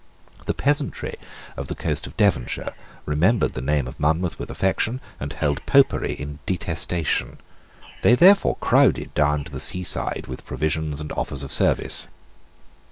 The peasantry of the coast of Devonshire remembered the name of Monmouth with affection, and held Popery in detestation. They therefore crowded down to the seaside with provisions and offers of service.